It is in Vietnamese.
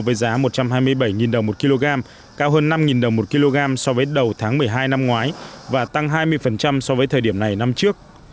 với giá một trăm hai mươi bảy đồng một kg cao hơn năm đồng một kg so với đầu tháng một mươi hai năm ngoái và tăng hai mươi so với thời điểm này năm trước